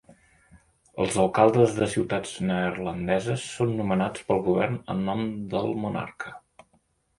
Els alcaldes de ciutats neerlandeses són nomenats pel govern en nom del monarca.